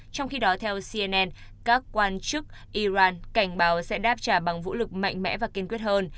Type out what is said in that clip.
trong khi đó theo cnn các quan chức iran cảnh báo sẽ đáp trả bằng vũ lực mạnh mẽ và kiên quyết hơn